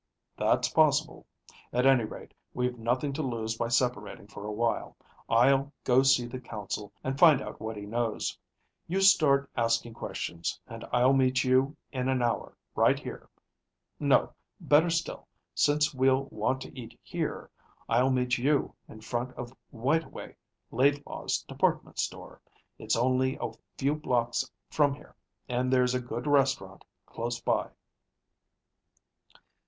"That's possible. At any rate, we've nothing to lose by separating for a while. I'll go see the consul and find out what he knows. You two start asking questions and I'll meet you in an hour right here ... no, better still, since we'll want to eat here, I'll meet you in front of Whiteaway Laidlaw's Department Store. It's only a few blocks from here and there's a good restaurant close by."